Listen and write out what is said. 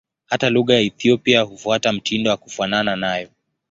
Hata lugha za Ethiopia hufuata mtindo wa kufanana nayo.